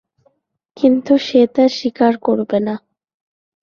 কিন্তু সে তা স্বীকার করবে না।